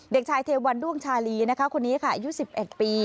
เด็กชายเทวันด้วงชาลีนะคะคนนี้ค่ะอายุ๑๑ปี